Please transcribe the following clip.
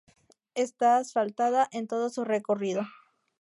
Está asfaltada en todo su recorrido.